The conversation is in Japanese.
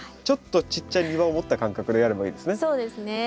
ちょっとちっちゃい庭を持った感覚でやればいいですね。